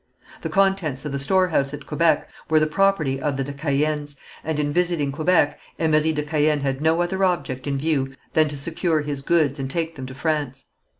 The contents of the storehouse at Quebec were the property of the de Caëns, and in visiting Quebec Emery de Caën had no other object in view than to secure his goods and take them to France.